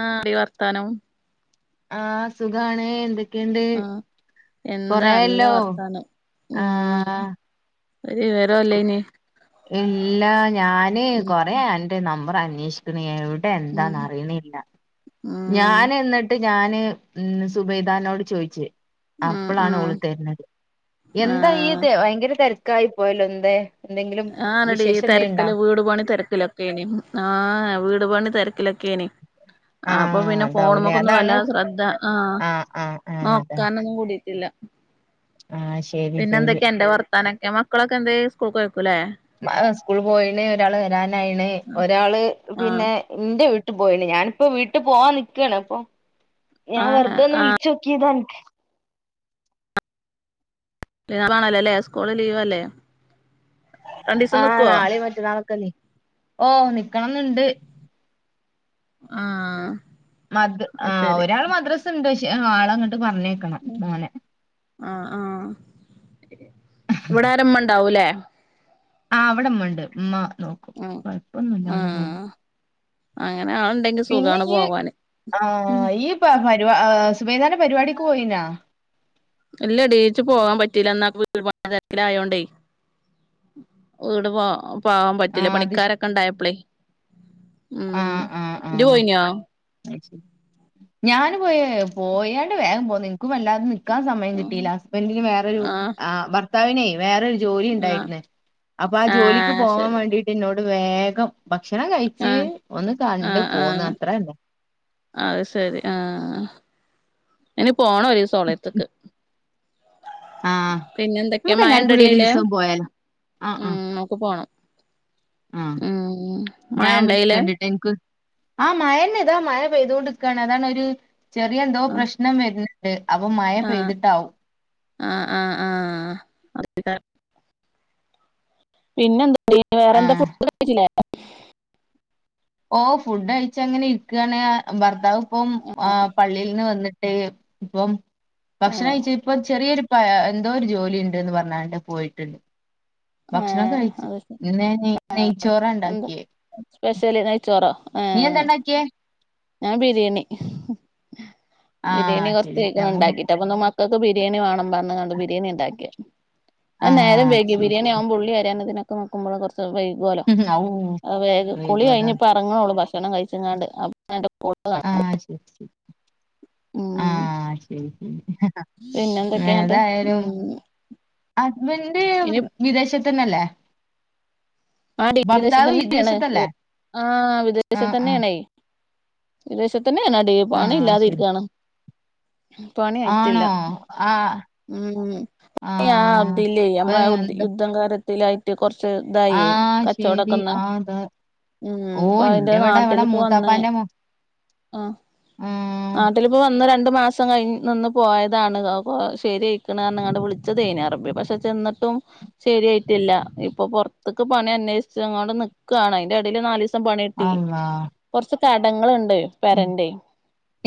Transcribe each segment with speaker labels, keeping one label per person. Speaker 1: ആഹ ഡീ വർത്താനം
Speaker 2: ആഹ സുഖാണ് എന്തൊക്കെണ്ട്
Speaker 1: ആഹ് എന്താ നല്ല വർത്താനം ഉം
Speaker 2: ആഹ
Speaker 1: ഒരു വിവര്
Speaker 2: ഇല്ല ഞാന് കൊറേ
Speaker 1: ഉം
Speaker 2: അന്റെ നമ്പർ അന്വേഷിക്ക്ണ് എവ
Speaker 1: ഉം
Speaker 2: എന്താന്ന് അറിയ്ണില്ല
Speaker 1: ഉം
Speaker 2: ഞാൻ എന്നിട്ട് ന്നിട്ട്ഞാന് മം സുബൈദാനോട് ചോയിച്ച്
Speaker 1: ഉം
Speaker 2: അപ്പളാണ് ഓൾ
Speaker 1: ഉം
Speaker 2: തർണത് എന്താ ഈ
Speaker 1: ആഹ്
Speaker 2: ഭയങ്കര തെരക്കായി പോയല്ലോ എന്തേ എന്തെങ്കിലും
Speaker 1: ആണെടി
Speaker 2: വിശേഷം എന്തേലുണ്ടോ
Speaker 1: തെരക്കല് വീട് പണി തെരക്കിലാ ആ വീട് പണി തിരക്കിലൊക്കെണ് അപ്പൊ
Speaker 2: ആഹ്
Speaker 1: പിന്നെ ഫോൺമക്കൊന്നും വല്ലാതെ ശ്രദ്ധ ആ
Speaker 2: ആ ആ ആ
Speaker 1: നോക്കാനൊന്നും കൂടിട്ടില്ല
Speaker 2: ആഹ് ശ
Speaker 1: പിന്നെ എന്തൊക്കെയ അന്റെ വർത്താനൊക്കെ മക്കളൊക്കെന്തേ സ്കൂൾക്കോയക്കൂല്ലേ
Speaker 2: ആഹ് സ്കൂള് പോയിണ് ഒരാള് വരാനായിണ് ഒരാള്
Speaker 1: ആഹ്
Speaker 2: പിന്നെ ഇന്റെ വീട്ടി പോയിണ് ഞാനിപ്പോ വീട്ട് പോവാൻ നിക്കാണ് പ്പോ ഞാൻ
Speaker 1: ആഹ്
Speaker 2: വെറുതൊന്ന്
Speaker 1: ആഹ്
Speaker 2: വിളിച്ച ച്ചോക്കി താ അൻക്ക്
Speaker 1: ലീവാണല്ലോ ലെ സ്കൂള് ലീവ് അല്ലേ
Speaker 2: ആഹ് നാളീം മറ്റന്നാളൊക്കെ ലീ ഓഹ് നിക്കണംന്ന്ണ്ട്
Speaker 1: ആഹ്
Speaker 2: മദ് ആ
Speaker 1: അത് ശരി
Speaker 2: ഒരാള് മദ്രസ് ണ്ട് പക്ഷെ ആളങ്ങട്ട് പറഞ്ഞേക്കണം മോനെ
Speaker 1: ആഹ് ആഹ് ഇവിടാരാ മ്മ ണ്ടാവൂലെ
Speaker 2: ആഹ് ഇവിടെ മ്മ ണ്ട് ഇമ്മ നോക്കും
Speaker 1: ഉം
Speaker 2: കൊഴപ്പൊന്നുല്ല അവനെക്കൊണ്ട്
Speaker 1: ആഹ് അങ്ങനെ ആളിന്ടെങ്കി സുഗാണ് പോവാന് ഉം
Speaker 2: പ പരു ആഹ് സുബൈദന്റെ പരിപാടിക്ക് പോയിനാ
Speaker 1: ല്ലടീ ച്ചു പോകാൻ പറ്റീല്ല അന്ന വീട്പണി തെരക്കിലായോ ണ്ടേ വീട് പാ പോവാൻ പറ്റീല്ല
Speaker 2: ആഹ് അത് ശ
Speaker 1: പണിക്കാരൊക്കെ ണ്ടായപ്പളെ ഉം
Speaker 2: ആഹ് ആഹ്
Speaker 1: ഇജ്
Speaker 2: ആഹ്
Speaker 1: പോയിന്യോ
Speaker 2: ഞാന് പോയ്‌ പോയാണ്ട് വേഗം പോന്ന് ഇന്ക്കും വല്ലാത നിക് ക്കാൻ സമയം
Speaker 1: ആഹ്
Speaker 2: കിട്ടിയില്ല ഹസ്ബന്റിന് വേറൊരു ആഹ് ഭർത്താവിനെയ് വേറൊരു ജോലി
Speaker 1: ആഹ്
Speaker 2: ണ്ടായിരുന്ന് അപ്പൊ ആ ജോലിക്ക്
Speaker 1: ആഹ്
Speaker 2: പോവാൻ
Speaker 1: ശരി
Speaker 2: വേണ്ടിട്ട് ന്നോട് വേഗം ഭക്ഷണം കഴിച്ച്
Speaker 1: ആഹ്
Speaker 2: ഒന്ന് കണ്ട് പോന്ന് അത്രന്നേ
Speaker 1: അയ് സരി ആഹ് ഇനി പോണം ഒരീസം ഓളെടുത്ത്ക്ക്
Speaker 2: ആഹ്
Speaker 1: പിന്നെന്തൊക്കെയാ
Speaker 2: നമുക്ക് എല്ലാർക്കും കൂടി
Speaker 1: മഴണ്ടോടി
Speaker 2: ഒരു
Speaker 1: ആയിലെ
Speaker 2: ദിവസം പോയാലോ ആഹ്
Speaker 1: ഉം
Speaker 2: ആഹ്
Speaker 1: മ്മക്ക് പോണം
Speaker 2: ആഹ്
Speaker 1: ഉം മഴ
Speaker 2: ഞാൻ
Speaker 1: ഇണ്ടോ അയിലെ
Speaker 2: വിളിക്കണ്ട് ട്ടാ ഇൻക് ആ മയന്നെ ഇതാ മഴ പെയ്തൊണ്ടിക്കാണ് അതാണ് ഒരു ചെറിയ എന്തോ
Speaker 1: ആഹ്
Speaker 2: പ്രശ്നം വര്ണ് അപ്പൊ മഴ
Speaker 1: ആഹ്
Speaker 2: പെയ്തിട്ടാവും
Speaker 1: ആഹ് ആഹ് ആഹ് അ [unintelligible] പിന്നെന്താടി വേറെന്താ
Speaker 2: ആഹ്
Speaker 1: ഫുഡ് കഴിച്ചില്ലേ
Speaker 2: ഓഹ് ഫുഡ് കഴിച്ചങ്ങനെ ഇരിക്കണ് ഭർത്താവ് ഇപ്പം ആഹ് പള്ളിയിൽന്ന് വന്നിട്ട് ഇപ്പം ഭക്ഷണം
Speaker 1: ഏഹ്
Speaker 2: കയിച് ഇപ്പ ചെറിയൊരു പ എന്തോ ഒരു ജോലി ണ്ട്ന്ന് പറഞ്ഞാണ്ട് പോയിട്ടുണ്ട് ഭക്ഷണം
Speaker 1: ഏഹ്
Speaker 2: കഴിച്ച്
Speaker 1: അത്
Speaker 2: ന്ന് ഞാന് നെയ്ച്ചോറ
Speaker 1: എന്താ
Speaker 2: ണ്ടാക്കിയേ
Speaker 1: സ്പെഷ്യല് നെയ്ച്ചോറോ
Speaker 2: എന്താ
Speaker 1: ആഹ്
Speaker 2: ഉണ്ടാക്കിയേ
Speaker 1: ഞാൻ ബിരിയാണി
Speaker 2: ആ
Speaker 1: ബിരിയാണി
Speaker 2: ശരി
Speaker 1: കുറച്ചയ്ക്ക്‌ണ്
Speaker 2: നമുക്ക്
Speaker 1: ണ്ടാക്കിട്ട് അപ്പൊ ന്നാ മക്ക മക്കക്ക് ബിരിയാണി വാണം പറഞ്കാണ്ട് ബിരിയാണി ണ്ടാക്കിയേ
Speaker 2: ആ
Speaker 1: അത് നേരം
Speaker 2: അത്
Speaker 1: വെയ്കി
Speaker 2: ശരി ശരി
Speaker 1: ഉള്ളി അരിയാനിതിനൊക്കെ നിക്കുമ്പോളോ കൊർച്ച്‌ വൈകൂലോ
Speaker 2: ഉം, ഔ
Speaker 1: വേഗ് കുളി
Speaker 2: വൈകും അതാണ്
Speaker 1: കഴിഞ്ഞപ്പ ഇറങ്ങണൊള്ളൂ ഭക്ഷണം കഴിച്ച്കാണ്ട് അട്ട് [unintelligible]
Speaker 2: ആഹ് ശരി ശരി
Speaker 1: ഉം
Speaker 2: ആഹ് ശരി ശരി
Speaker 1: പിന്നെ എന്തൊക്കെയാന്നിട്ട്
Speaker 2: ഏതായാലും
Speaker 1: ഉം
Speaker 2: ഹസ്ബൻഡ്
Speaker 1: ഇനി
Speaker 2: വിദേശത്തന്നല്ലേ
Speaker 1: ആഹ് ടീ
Speaker 2: ഭർത്താവ്
Speaker 1: വിദേശത്തന്നെണ്
Speaker 2: വിദേശത്തല്ലേ
Speaker 1: ആഹ്
Speaker 2: ആ ആ
Speaker 1: വിദേശത്തന്നേണെയ് വിദേശത്തന്നേണെടി
Speaker 2: ആ
Speaker 1: പണില്ലാതെ
Speaker 2: ശരി
Speaker 1: ഇരിക്കാണ് പണി ആയിട്ടില്ല
Speaker 2: ആണോ ആ
Speaker 1: ഉം ആ
Speaker 2: ആഹ്
Speaker 1: അതില്ലേ
Speaker 2: ഇപ്പൊ
Speaker 1: നമ്മളെ
Speaker 2: എന്താ
Speaker 1: യുദ്ധം കാര്യത്തിലായി ട്ട് കൊർച് ഇതായേ
Speaker 2: ആഹ് ശരി
Speaker 1: കച്ചോടക്കൊന്ന്
Speaker 2: ആഹ് ദാ
Speaker 1: ഉം
Speaker 2: ഓ
Speaker 1: ഇപ്പൊ അയിന്റെ
Speaker 2: ഇന്റെ ഇവിടെ ഇവിടെ
Speaker 1: നാട്ടിലിപ്പോ വന്ന്
Speaker 2: മൂത്താപ്പാന്റെ മോ
Speaker 1: ആഹ് ആഹ്
Speaker 2: ആഹ്
Speaker 1: നാട്ടിലിപ്പോ വന്ന് രണ്ട് മാസം കഴി നിന്ന് പോയതാണ് ശരിയായിക്കണ് പറഞ് കാണ്ട് വിളിച്ചതേനി അറബി പക്ഷേ ചെന്നിട്ടും ശരിയായിട്ടില്ല ഇപ്പൊ പൊറത്തക്ക് പണി അന്വേഷിച്ചങ്ങോണ്ട് നക്കുവയാണ് അതിന്റെടിയിൽ നാലല് ദിവസം പണി ഇട്ടി
Speaker 2: അള്ളാ
Speaker 1: കുറച്ച് കടങ്ങളൾുണ്ട്
Speaker 2: ഉം
Speaker 1: പരണ്ടേ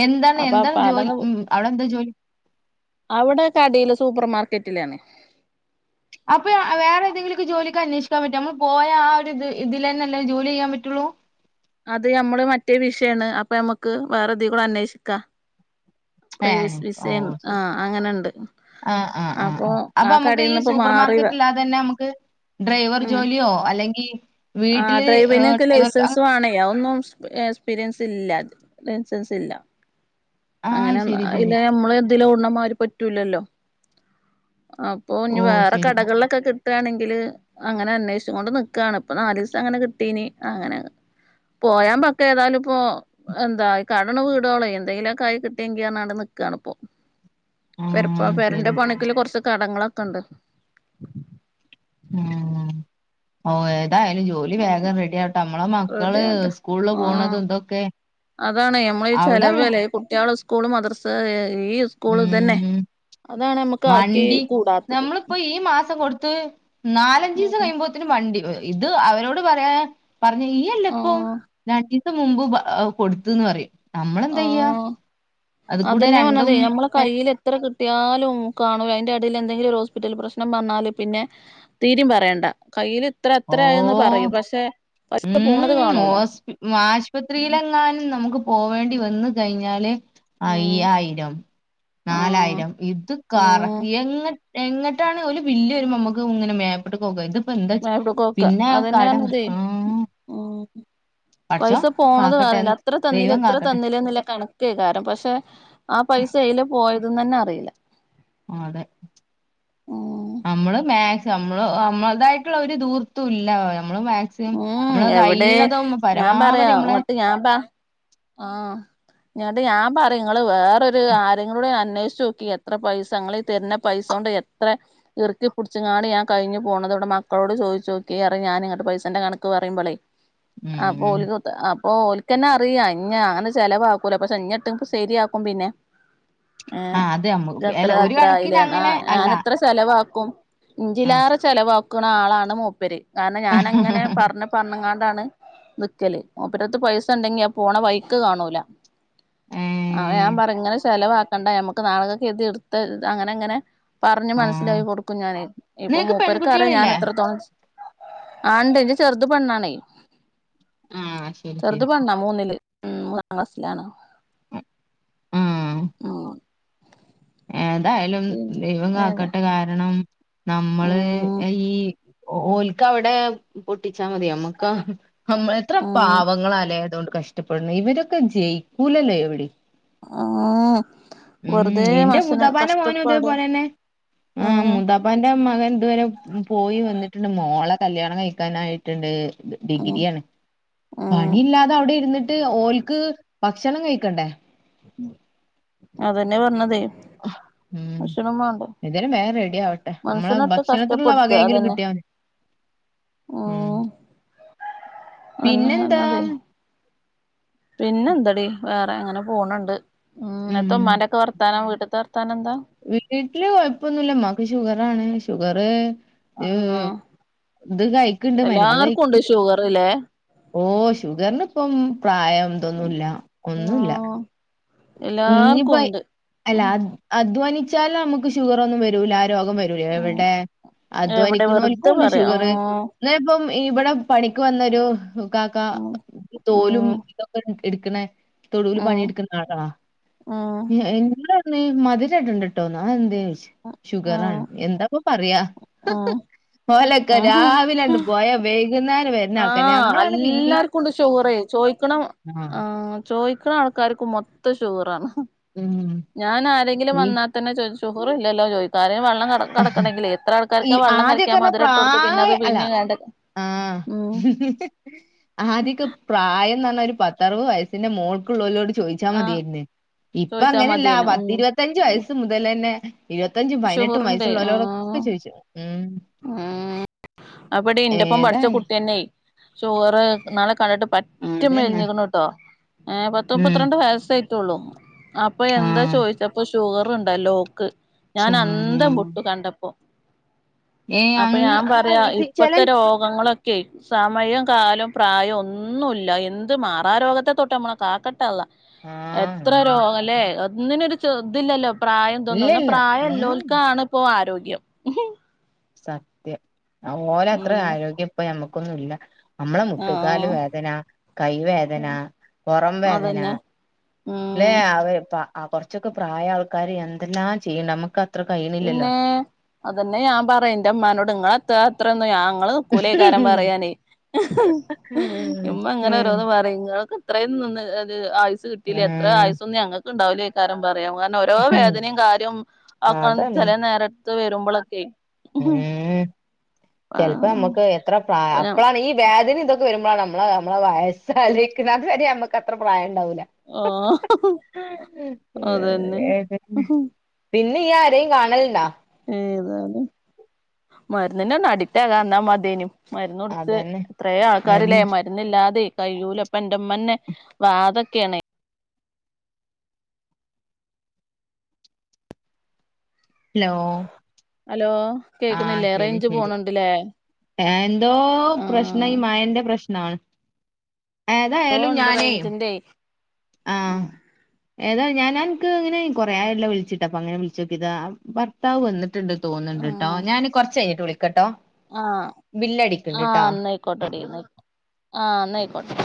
Speaker 2: എന്താണ്
Speaker 1: അപ്പൊ
Speaker 2: എന്താണ്
Speaker 1: പ
Speaker 2: ജോലി
Speaker 1: അതന്ന്
Speaker 2: ഉം അവിടെ എന്താ ജോലി
Speaker 1: അവിടെ കടയില സൂപ്പർ മാർക്കറ്റിലാണ്
Speaker 2: അപ്പൊ വേറെഏതെങ്കിലുംക്കെ ജോലൊക്കെന്വേഷിക്കൻ പറ്റും നമ്മ പോയ ആ ഒരു ഇത് ഇതില തന്നെല്ലേ ജോലി ചെയ്യാൻ പറ്റുള്ളൂ
Speaker 1: അത് നമ്മള് മറ്റേ വിഷയമാണ് അപ്പൊ നമ്മുക്ക് വേറെത കൂടെ അന്വേഷിക്കാം പ്രവി
Speaker 2: ഏഹ് ഓ
Speaker 1: വിസേൻ
Speaker 2: ശരി
Speaker 1: ആഹ അങ്ങനെണ്ട്
Speaker 2: ആഹ് ആ ആ
Speaker 1: അപ്പൊ
Speaker 2: ആ അപ്പൊ നമുക്ക് ഈ
Speaker 1: കടയിൽന്ന്പ്പോ
Speaker 2: സൂപ്പർ
Speaker 1: മാറി
Speaker 2: മാർക്കറ്റ് ഇല്ലാതെ തന്നെ നമുക്ക് ഡ്രൈവർ
Speaker 1: ഉം
Speaker 2: ജോലിയോ അല്ലെങ്കിൽ
Speaker 1: ആ
Speaker 2: വീട്ടില്
Speaker 1: ഡ്രൈവിറിനൊക്കെ
Speaker 2: ഡ്രൈവർ
Speaker 1: ലൈസൻസ് വേണയാ ഒന്നും എക്സ്പീരിയൻസ് ഇല്ലസൻസസ് ഇല്ല
Speaker 2: ആഹ്
Speaker 1: അങ്ങനെ
Speaker 2: ശരി ശരി
Speaker 1: അല്ല നമ്മള് എന്തിലും ഉണ്ണ മാര് പറ്റൂലല്ലോ ആ
Speaker 2: ഓ
Speaker 1: ഇഞ് വേറെ
Speaker 2: ശരി
Speaker 1: കടകളിലൊക്കെ കി കിട്ടുകയാണെങ്കില് അങ്ങനെ അന്വേഷിച്ചച്ച് കൊണ്ട് നക്കുകയാണ് ഇപ്പൊ നാല് ദിവസം അങ്ങനെ കിട്ടീനി അങ്ങനെ പോയാൻ പക്ക ഏതാലും ഇപ്പോൊ എന്താ കടന്ന വീടോളോ എന്തെങ്കിലും കായ് കിട്ടിയെങ്കിൽാണ് നിക്കാണ് ഇപ്പൊ പെറപ്പാ
Speaker 2: ആഹ്
Speaker 1: പെരന്റെ
Speaker 2: ശരി ശരി
Speaker 1: പണക്കില് കൊറച്ച കടങ്ങളൊക്കെ ഉണ്ട്
Speaker 2: ഉം ഓ ഏതായാലും ജോലി
Speaker 1: ആഹ്
Speaker 2: വേഗം റെഡിയ ആട്ട നമ്മളെ
Speaker 1: റെഡി
Speaker 2: മക്കള്
Speaker 1: ആവട്ടെ
Speaker 2: സ്കൂളില് പോണത
Speaker 1: ആഹ്
Speaker 2: ഇതൊക്കെ
Speaker 1: അതാണ് നമ്മളീ
Speaker 2: അവിടെള്ള
Speaker 1: ചലവ് അല്ലേ കുട്ടികള സ്കൂള് മദർസ ഈ സ്കൂള് തന്നെ
Speaker 2: ഉം
Speaker 1: അതാണ് നമ്മുക്ക് ആക്കി
Speaker 2: വണ്ടി
Speaker 1: കൂടാത്തത്
Speaker 2: നമ്മളിപ്പോ ഈ മാസം കൊടുത്ത് നാലഞ്ച ദിവസം
Speaker 1: ഉം
Speaker 2: കഴിയുമ്പോത്തനന് വണ്ടി ഇത് അവരോട് പറയാ പർഞ്ഞ് ഈയല്ലപ്പം
Speaker 1: ആഹ്
Speaker 2: രണ്ടീസം മുമ്പ് കൊട്ത്ത്ന്ന് പറയും. നമ്മളെന്തയ്യാ
Speaker 1: ആഹ്
Speaker 2: അത് കൂടെ രണ്ടും പേരെ
Speaker 1: കയ്യില് എത്ര കിട്ടിയാലും കാണുല. അയിന്റെ എടേല് എന്തെങ്കിലും ഒരു ഹോസ്പിറ്റൽ പ്രശ്നം പർഞ്ഞാല് പിന്നെ തീരിം പറയണ്ട കയ്യില് ഇത്ര അത്ര ആയന്ന് പറയും പശേ
Speaker 2: ഉം ഉം ഓസ് ആശുപത്രിയിലെങ്ങാനും നമുക്ക് പോവേണ്ടി വന്ന് കഴിഞ്ഞാല്
Speaker 1: ഉം
Speaker 2: അയ്യായിരം
Speaker 1: ഉം
Speaker 2: നാലായിരം ഇത് കറ
Speaker 1: ഉം
Speaker 2: എങ്ങനെ എങ്ങട്ടാണ് ഓല് ബില്ലരുമ്പോ അമ്മക്ക് ഇങ്ങനെ മേപ്പട്ട്ക്കോക്ക ഇത്പ്പോ എന്താ
Speaker 1: മേപ്പട്ട്ക്കോക്ക
Speaker 2: പിന്നെ
Speaker 1: അതെന്നെ
Speaker 2: കടം
Speaker 1: അർഞ്ഞതേ
Speaker 2: ആ
Speaker 1: ഉം പൈസ
Speaker 2: പടച്ചോൻ
Speaker 1: പോണത് അറീല്ല.
Speaker 2: കാക്കട്ടെന്ന്
Speaker 1: അത്ര തന്നില്ലെ
Speaker 2: ദൈവം
Speaker 1: ഇത്ര
Speaker 2: കാക്കട്ടെ
Speaker 1: തന്നില്ലെ ന്നില്ല കണ ക്കേക്കാരം പശേ ആ പൈസ എയ്ലെ പോയത് ന്നെന്നെ അറീല്ല.
Speaker 2: ആഹ് അതെ
Speaker 1: ഉം
Speaker 2: നമ്മള് മാത് നമ്മള് നമ്മളതായിട്ടുള്ള ഒരു ദൂർത്തും ഇല്ല നമ്മള് മാ
Speaker 1: ഉം എവിടെ ഞാൻ പറയാ
Speaker 2: പരമാവധി നമ്മളെ
Speaker 1: ഇങ്ങട്ട് ഞാൻ പ ആ ന്നട്ട് ഞാൻ പറിം ഇങ്ങള് വേറൊരു ആരെങ്കിലൊടി അന്വേഷിച്ച് നോക്കി എത്ര പൈസങ്ങള് തര്ന്ന പൈസോണ്ട് എത്ര ഇർക്കി പുട്ച്ച്ങ്ങാണ്ട് ഞാൻ കഴിഞ്ഞു പോണത് ഇവിടെ മക്കളോട് ചോയ്ച്ചോക്കി അറിം ഞാനിങ്ങട്ട് പൈ സന്റെ കണക്ക് പറിംമ്പളേ
Speaker 2: ഉം
Speaker 1: അപ്പോൽക്ക് അപ്പൊ ഓൽക്കന്നെ അറിയാ ഇഞ്ഞാന്ന് ചെലവാക്കൂല പശേ ഇഞ്ഞട്ട് ശരിയാക്കും പിന്നെ
Speaker 2: ആ
Speaker 1: ഏഹ്
Speaker 2: അത്
Speaker 1: ജ്
Speaker 2: നമ്മക്ക്
Speaker 1: അത്ര
Speaker 2: അല്ല ഒരു
Speaker 1: അത്ര
Speaker 2: കണക്കിന്
Speaker 1: ആയില്ലേ ന്നാ
Speaker 2: അങ്ങനെ അല്ല
Speaker 1: ഞാനത്ര ചെലവാക്കും
Speaker 2: ആ
Speaker 1: ഇന്റീലാറെ ചെലവാക്ക്ണ ആളാണ് മൂപ്പര്. കാരണം ഞാനങ്ങനെ പർഞ്ഞ പർഞ്ഞ്ങ്ങാണ്ടാണ് നിക്കല്. മൂപ്പ രെട്ത്ത് പൈസ ഇണ്ടെങ്കി ആ പോണ വയ്ക്ക് കാണൂല.
Speaker 2: ഏ
Speaker 1: ആ ഞാൻ പറിം ഇങ്ങനെ ചെലവാക്കണ്ട. ഞമ്മക്ക് നാളക്കക്ക് കര്തി ഇട്ത്ത അങ്ങനെ അങ്ങനെ പർഞ്ഞ്
Speaker 2: ആ
Speaker 1: മൻസ്സിലായി കൊടുക്കും ഞാന്. ഇപ്പൊ
Speaker 2: നിനക്ക്
Speaker 1: മൂപ്പര്ക്ക് അറിയാ
Speaker 2: പെൺകുട്ടികളില്ലേ
Speaker 1: ഞാനത്രത്തോളം ആ ണ്ടേ ന്റെ ചെർത് പെണ്ണാണെ
Speaker 2: ആ ശരി
Speaker 1: ചെർത്
Speaker 2: ശരി
Speaker 1: പെണ്ണാ മൂന്നില് ഉം മൂന്നാം ക്ലാസ്സിലാണ്.
Speaker 2: ഉം
Speaker 1: ഉം
Speaker 2: ഏതായാലും ദൈവം
Speaker 1: പിന്നെ ഏതാ
Speaker 2: കാക്കട്ടെ കാരണം നമ്മള്
Speaker 1: ഉം
Speaker 2: ഈ ഓൽക്ക് അവ്ടെ പൊട്ടിച്ചാ മതി ഞമ്മക്കാ നമ്മള് എത്ര
Speaker 1: ഉം
Speaker 2: പാവങ്ങളാലേ അതോണ്ട് കഷ് ട്ടപ്പെടുന്നേ ഇവരൊക്കെ ജയിക്കൂലല്ലോ എവിടിം
Speaker 1: ആഹ് വെർതെ
Speaker 2: ന്റെ മുത്താപ്പാന്റെ മോനും ഇതേപോലെന്നെ ആഹ്
Speaker 1: ഉം
Speaker 2: മുത്താ പ്പാന്റെ മകൻ ഇതുവരെ പോയി വന്നിട്ട്ണ്ട്. മോളെ കല്യാണം കഴിക്കാനായിട്ട്ണ്ട്.
Speaker 1: ഉം
Speaker 2: ഡിഗ്രിയാണ്
Speaker 1: ഉം
Speaker 2: പണി ഇല്ലാ തവ്ടെ ഇര്ന്നിട്ട് ഓൽക്ക് ഭക്ഷണം കഴിക്കണ്ടേ
Speaker 1: അതെന്നെ പർഞ്ഞതെ
Speaker 2: അഹ് ഉം എന്തേലും വേം റെഡിയാവട്ടെ. അമ്മളെ
Speaker 1: മനസ്സിനൊട്ട്
Speaker 2: ഭക്ഷണത്തിനുള്ള
Speaker 1: കഷ്ടപ്പെടുത്ത
Speaker 2: വകയെങ്കിലും
Speaker 1: അതന്നെ
Speaker 2: കിട്ടിയ ഉം
Speaker 1: അതന്നെ
Speaker 2: പിന്നെന്താ
Speaker 1: പിന്നെന്തടി വേറെ അങ്ങനെ പോണ്ണ്ട്. ഉം എത്ത മ്മാന്റെ ഒക്കെ വർ ത്താനം വീട്ട്ത്തെ വർത്താനം എന്താ?
Speaker 2: വീട്ട്ട്ട്ല് കൊഴപ്പൊന്നുല്ല. മ്മാക്ക് ഷുഗറാണ് ഷുഗറ് യ്
Speaker 1: ആഹ്
Speaker 2: ഇത് കഴിക്ക്ണ്ട് മരുന്ന് കഴിക്ക്
Speaker 1: ഷുഗറ്ല്ലേ
Speaker 2: ഓ ഷുഗർന്ന് ഇപ്പം പ്രായം ഇതൊന്നുല്ല ഒന്നുല്ല.
Speaker 1: ഉം എല്ലാർക്കും
Speaker 2: ഇഞ്ഞ്പ്പയ്
Speaker 1: ഉണ്ട്
Speaker 2: അല്ല
Speaker 1: ഉം
Speaker 2: അ അധ്വാനിച്ചാല് അമ്മക്ക് ഷുഗറ് ഒന്നും വരൂല രോഗം വരു
Speaker 1: ഉം
Speaker 2: എവിടെ
Speaker 1: എവിടെ വെറുതെ
Speaker 2: അധ്വാനിക്ക്ണോൽക്കുണ്ട്
Speaker 1: പറയാ ഉം
Speaker 2: ഷുഗറ് എന്നേപ്പം ഇബടെ പണിക്ക് വന്നൊരു കാക്ക
Speaker 1: ഉം
Speaker 2: തോലും
Speaker 1: ഉം
Speaker 2: ഇതൊക്കെ ഇട്ക്ക്ണേ തൊടൂല് പണി
Speaker 1: ഉം
Speaker 2: ഇട്ക്ക്ന്ന ആളാ
Speaker 1: ഉം
Speaker 2: എ ഇങ്ങ്ട് ന്ന് മധിരം ഇടണ്ടട്ടോന്ന് അതെന്തേ ചോയ്ച്ച് ഷുഗറാണ് എന്താപ്പ പറയാ
Speaker 1: ആഹ്
Speaker 2: ഓലൊക്കെ രാവിലണ്ട് പോയാ വൈകുന്നേര വര്
Speaker 1: ആഹ് അല്ലാർക്കും ഉണ്ട് ഷുഗറ് ചോയ്ക്കണം ആഹ് ചോയിക്കണാൾക്കാർക്കും മൊത്തം ഷുഗറാണ്
Speaker 2: ഉം
Speaker 1: ഞാനാരെങ്കിലും
Speaker 2: ഈ
Speaker 1: വന്നാത്തന്നെ ചോദിച്ചു ഷുഗറില്ലല്ലോ ചോയ്ക്കും ആരെ വള്ളം കലക്കൻ കലക്കണെങ്കിലെ ഇത്ര
Speaker 2: ഈ
Speaker 1: ആൾക്കാർക്ക വെള്ളം കലക്കിയാൽ
Speaker 2: ആദ്യൊക്കെർഞ്ഞാ
Speaker 1: മധിരട്ടൊടുത്ത് പിന്നെ
Speaker 2: പ്രായ
Speaker 1: അത്
Speaker 2: അല്ല
Speaker 1: പിഴ്ന്ന് ങ്ങാണ്ട്
Speaker 2: ആഹ് ആതിക്ക് പ്രായം ന്നറഞ്ഞാ ഒരു പത്തറുപത് വയസിന്റെ മോൾക്കുള്ളവലോട് ചോയ് ചോയ്ച്ചാ
Speaker 1: ആഹ്
Speaker 2: മതിയർന്ന് ഇപ്പ
Speaker 1: ചോയ്ച്ചാ
Speaker 2: അങ്ങനല്ല
Speaker 1: മതിയേനു ഉം
Speaker 2: പത്തിരുപത്തഞ്ചു വയസ്സ് മുതൽ തലന്നെ ഇരുപത്തഞ്ചും പയിനെട്ടും വയ്സ്
Speaker 1: ഷുഗറുണ്ടേ
Speaker 2: ബലോടൊക്കെ
Speaker 1: ആഹ്
Speaker 2: ചോയ്ച്ചു ഉം
Speaker 1: ഉം
Speaker 2: ഏതാണ്
Speaker 1: തന്നെ ഷുഅറ് ന്നാൾ കണ്ടിട്ട് പറ്റ് പറ്റെ
Speaker 2: അതന്നെ
Speaker 1: മെലിഞ്ഞിക്ക്ണുട്ടോ ഏ പത്ത്
Speaker 2: ഉം
Speaker 1: മുപത്തിരണ്ട് വയസ്സയ്ട്ടുള്ളൂ അപ്പൊ എന്താ
Speaker 2: ആഹ്
Speaker 1: ചോദിച്ചപ്പൊ ഷുഗറുണ്ടല്ലോ ഓക്ക് ഞാൻ അന്തം ബുട്ടു കണ്ടപ്പോ
Speaker 2: ഏ
Speaker 1: അപ്പൊ
Speaker 2: അങ്ങ്
Speaker 1: ഞാൻ
Speaker 2: ആ
Speaker 1: പറയാ
Speaker 2: ഇത് ചെല
Speaker 1: ഇപ്പത്തെ രോഗങ്ങളൊ രോഗങ്ങളോക്കെ സമയം കാലം പ്രായം ഒന്നുല്ല എന്ത് മാറാ രോഗത്തെ തൊട്ട് നമ്മള കാക്കട്ടെ അള്ളാ
Speaker 2: ആഹ്
Speaker 1: എത്ര രോഗം അല്ലേ ഒന്നിനൊരു ചെർതില്ലല്ലോ പ്രായം ഇതൊന്നും എന്ന
Speaker 2: ഇല്ലല്ല ഉം
Speaker 1: പ്രായംഇല്ലോൽക്കാണ് ഇപ്പോ ആരോഗ്യം ഉംഹ്
Speaker 2: സത്യം ഓലത്ര
Speaker 1: ഉം
Speaker 2: ആരോഗ്യം പ്പ ഞമ്മക്കൊന്നും ഇല്ല നമ്മള മുട്ടുകാല്
Speaker 1: ആഹ്
Speaker 2: വേദന കൈവേദന പുറം വേദന
Speaker 1: അതന്നെ
Speaker 2: ല്ലെ
Speaker 1: ഉം
Speaker 2: അവര് പ്പ കുറച്ചൊക്കെ പ്രായയ ആൾക്കാർ എന്തെല്ലാം ചെയ്യും നമുക്ക
Speaker 1: പിന്നെ അതന്നെ ഞാൻ പറന്റെ ഇമ്മനോട് ഇങ്ങടത്ര അത്രഒന്ന് ഞാങ്ങള് നികൂലെക്കരം പറയാനേയ്
Speaker 2: ഉം
Speaker 1: ഇമ്മ ങ്ങനെ
Speaker 2: ഉം
Speaker 1: ഓരോന്ന് പറയുംഇങ്ങള്ക്ക് ഇത്രയും നിന്ന് അത് ആയുസ്സ് കിട്ടില്ലേ എത്ര
Speaker 2: ഉം
Speaker 1: ആയസ്സൊന്നും ഞങ്ങക്ക് ഉണ്ടാവില്ല കാരേം പറയാം കാരണം ഒറ്റ ഓരോ വേദനീം കാര്യം ഒക്ക
Speaker 2: അതന്നെ
Speaker 1: ചിലേ നേരത്ത് വരുമ്പളൊക്കെയ്
Speaker 2: ഏഹ് ചെലപ്പോ നമ്മക്ക് എത്ര
Speaker 1: അപ്പൊ ഞാൻ
Speaker 2: പ്രാത്താണ് ഈ വേദനിതൊക്കെ വരുമ്പളാണ് നമ്മള് നമ്മളെ വയസാലൊയ്ക്ക്ണ് നമുക്ക് അത്ര പ്രായം ഉണ്ടാവൂല്ല
Speaker 1: ആഹ് അതന്നെ
Speaker 2: പിന്നെയ്യ് ആരെയും കാണല്ണ്ടാ
Speaker 1: ഏതാലും മരുന്നിനങ്‌ അഡിക്റ്റ് ആകാംന്നാൽ മത്യേനു മരുന്നുട്ച്ച്
Speaker 2: അതന്നെ
Speaker 1: എത്രെ ആൾക്കാരില്ലേ
Speaker 2: അതന്നെ
Speaker 1: മരുന്ന് മര്ന്നില്ലാതെ കയ്യൂലപ്പന്റെമ്മന്നെ വാതൊക്കെണ്
Speaker 2: ഹലോ
Speaker 1: അലോ
Speaker 2: ആഹ് ശെരി ശെരി ആ ന്തോ പ്രശ്നം ഈ
Speaker 1: ആഹ്
Speaker 2: മയന്റെ പ്രശ്നാണ്
Speaker 1: ഓ
Speaker 2: ഏതായാലും
Speaker 1: ഉണ്ട്
Speaker 2: ഞാനേയ്
Speaker 1: റേഞ്ചിന്റെ ഉം
Speaker 2: ആഹ് ഏതായ് ഞൻ അന്ക്ക് ങ്ങനെ കൊറേ ആയല്ലോ വിളിച്ചിട്ട് അപ്പൊ അങ്ങനെ വിള്ചോക്കീതാ ഭർ ഭർത്താവ് വന്ന്ട്ട്ണ്ട് തോന്ന്ണ്ട്ട്ടോ
Speaker 1: ആഹ്
Speaker 2: ഞാൻ കുറച്ച് കഴിഞ്ഞിട്ട് വിളിക്കട്ടോ
Speaker 1: ആഹ്
Speaker 2: ബില്ലടിക്കണ്ട് ട്ടോ
Speaker 1: ആഹ്
Speaker 2: ആഹ്
Speaker 1: ന്നയ്ക്കോട്ടെടി ആഹ് ന്നയ് ക്കോട്ടെ